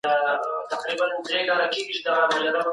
ایا د سهار د لمر وړانګې د ویټامین ډي سرچینه ده؟